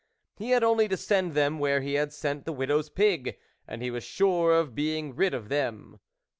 He had only to send them where he had sent the widow's pig, and he was sure of being rid of them.